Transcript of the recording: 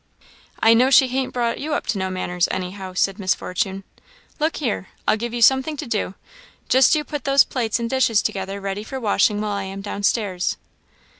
"I know she han't brought you up to know manners, anyhow," said Miss Fortune. "Look here I'll give you something to do just you put those plates and dishes together ready for washing while I am down stairs."